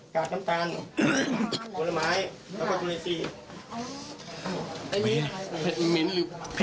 กาดน้ำตาล